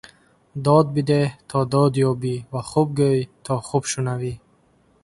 Дод бидеҳ, то дод ёбӣ ва хуб гӯй, то хуб шунавӣ.